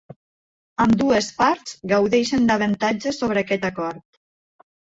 Ambdues parts gaudeixen d'avantatges sobre aquest acord.